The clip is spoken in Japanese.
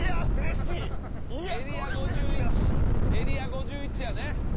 エリア５１やね。